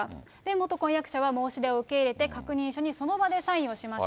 元婚約者は申し出を受け入れて、確認書にその場でサインをしまし